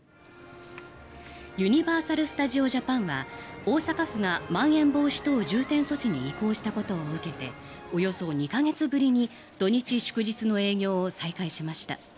ユニバーサル・スタジオ・ジャパンは大阪府がまん延防止等重点措置に移行したことを受けておよそ２か月ぶりに土日祝日の営業を再開しました。